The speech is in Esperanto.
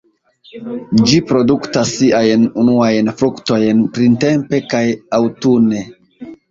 Ĝi produktas siajn unuajn fruktojn printempe kaj aŭtune.